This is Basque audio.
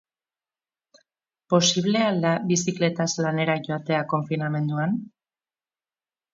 Posible al da bizikletaz lanera joatea konfinamenduan?